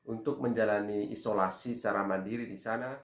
untuk menjalani isolasi secara mandiri di sana